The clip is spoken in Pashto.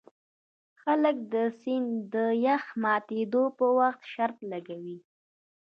خلک د سیند د یخ ماتیدو په وخت شرط لګوي